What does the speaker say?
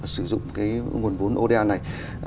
sử dụng cái nguồn vốn ô đa này